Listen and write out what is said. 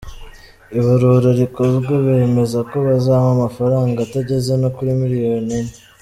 ibarura rikozwe bemeza ko bazampa amafaranga atageze no kuri miliyoni enye.